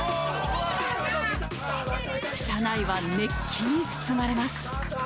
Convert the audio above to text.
車内は熱気に包まれます。